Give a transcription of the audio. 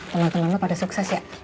temen temen lu pada sukses ya